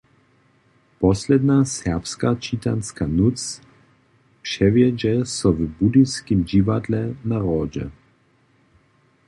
Posledna serbska čitanska nóc přewjedźe so w Budyskim Dźiwadle na Hrodźe.